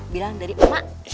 bilang dari emak